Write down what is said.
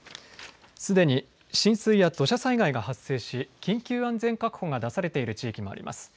すでに浸水や土砂災害が発生し緊急安全確保が出されている地域もあります。